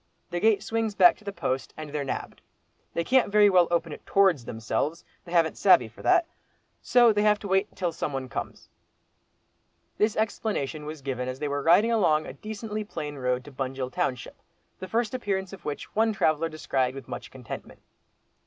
The gate swings back to the post, and they're nabbed. They can't very well open it towards themselves, they haven't savey for that. So they have to wait till some one comes." This explanation was given as they were riding along a decently plain road to Bunjil township, the first appearance of which one traveller descried with much contentment.